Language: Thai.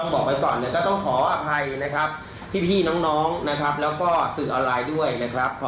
ไม่ทันนั้นแหละครับ